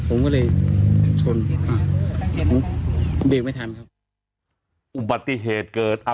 ผมก็เลยชนเบรกไม่ทันครับอุบัติเหตุเกิดอ่า